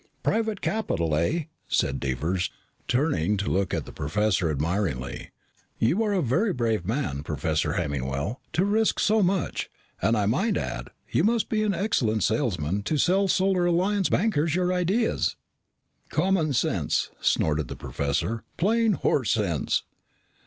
"Private capital, eh?" said Devers, turning to look at the professor admiringly. "You are a very brave man, Professor Hemmingwell, to risk so much. And, I might add, you must be an excellent salesman to sell Solar Alliance bankers your ideas." "Common sense," snorted the professor. "Plain horse sense."